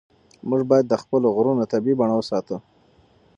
موږ باید د خپلو غرونو طبیعي بڼه وساتو.